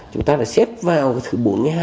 chúng ta đã xếp vào thứ bốn mươi hai